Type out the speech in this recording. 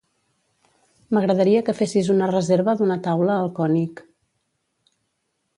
M'agradaria que fessis una reserva d'una taula al König.